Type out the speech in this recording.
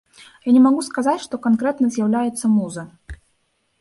Я не магу сказаць, што канкрэтна з'яўляецца муза.